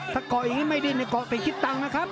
ถ้าเกาะอย่างงี้ไม่ดีก็เกาะไปคิดต่างนะครับ